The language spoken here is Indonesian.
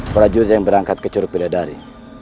prajurit yang berangkat ke curug pidari